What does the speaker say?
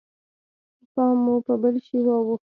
پام مو په بل شي واوښت.